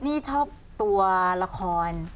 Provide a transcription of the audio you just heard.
นี่ชอบตัวละคร